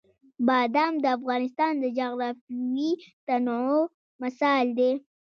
بادام د افغانستان د جغرافیوي تنوع مثال دی.